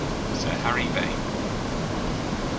Sir Harry Vane!